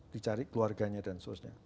dicari keluarganya dan sosnya